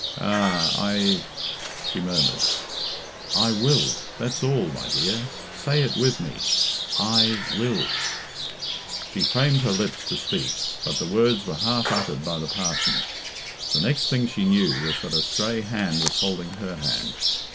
"Ah I," she murmured. "I will! That's all, my dear. Say it with me, 'I will.'" She framed her lips to speak, but the words were half uttered by the parson. The next thing she knew was that a stray hand was holding her hand.